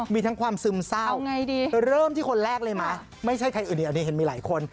มีทั้งความซึมเศร้าเริ่มที่คนแรกเลยมั้ยอันนี้เห็นมีหลายคน